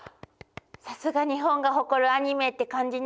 さすが日本が誇るアニメって感じね！